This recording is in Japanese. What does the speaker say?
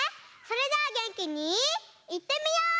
それじゃあげんきにいってみよう！